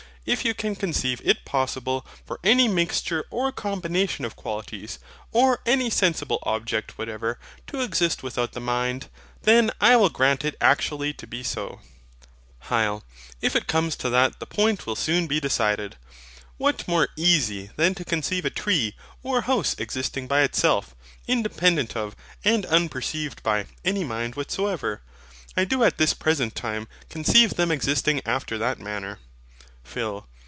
If you can conceive it possible for any mixture or combination of qualities, or any sensible object whatever, to exist without the mind, then I will grant it actually to be so. HYL. If it comes to that the point will soon be decided. What more easy than to conceive a tree or house existing by itself, independent of, and unperceived by, any mind whatsoever? I do at this present time conceive them existing after that manner. PHIL.